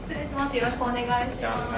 よろしくお願いします。